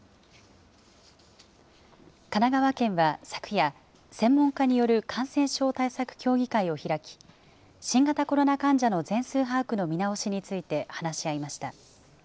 神奈川県は昨夜、専門家による感染症対策協議会を開き、新型コロナ患者の全数把握の見直しについて話し合いました。